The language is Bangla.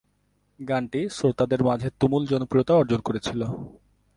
গানটি শ্রোতাদের মাঝে তুমুল জনপ্রিয়তা অর্জন করেছিল।